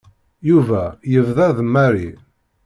Yuba yebḍa d Mary.